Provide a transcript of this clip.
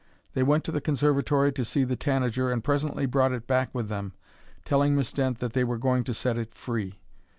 They went to the conservatory to see the tanager and presently brought it back with them, telling Miss Dent that they were going to set it free.